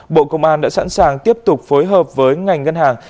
bộ công an đã sẵn sàng tiếp tục phối hợp với ngành ngân hàng